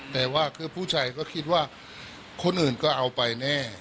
แต่ว่าคือผู้ชายก็คิดว่าคนอื่นก็เอาไปแน่